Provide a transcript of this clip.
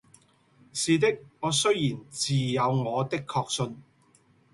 是的，我雖然自有我的確信，